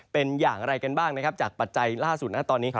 เป็นอย่างอะไรกันบ้างจากปัจจัยล่าสุดตอนนี้